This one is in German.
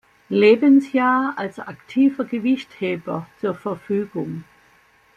Lebensjahr als aktiver Gewichtheber zur Verfügung.